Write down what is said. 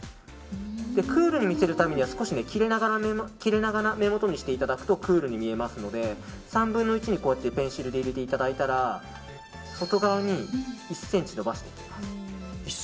クールに見せるためには少し切れ長な目元にしていただくとクールに見えるので３分の１にペンシルで入れていただいたら外側に１ｃｍ伸ばしていく。